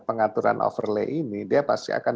pengaturan overlay ini dia pasti akan